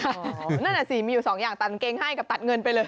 นั่นแหละสิมีอยู่สองอย่างตัดกางเกงให้กับตัดเงินไปเลย